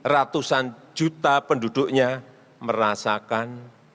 ratusan juta penduduknya merasakan